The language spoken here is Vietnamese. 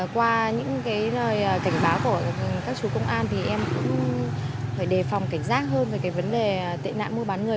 qua những cảnh báo của các chú công an thì em cũng phải đề phòng cảnh giác hơn về vấn đề tệ nạn buôn bán người